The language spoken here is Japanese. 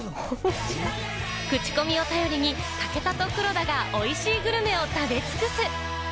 クチコミを頼りに武田と黒田が美味しいグルメを食べ尽くす！